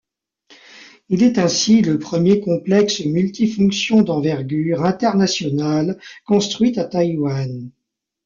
Il est ainsi le premier complexe multifonction d'envergure internationale construit à Taïwan.